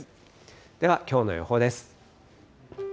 ではきょうの予報です。